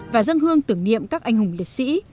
và dân hương tưởng niệm các anh hùng liệt sĩ